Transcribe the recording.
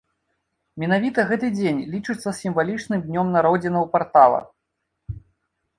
Менавіта гэты дзень лічыцца сімвалічным днём народзінаў партала.